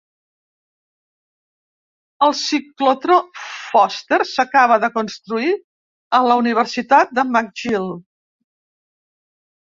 El ciclotró Foster s"acaba de construir a la Universitat de McGill.